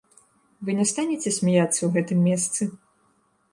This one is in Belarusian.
Вы не станеце смяяцца ў гэтым месцы?